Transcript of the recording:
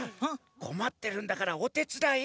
こまってるんだからおてつだい！